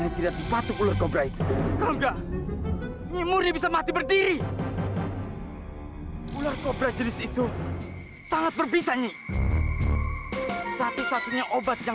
sampai jumpa di video selanjutnya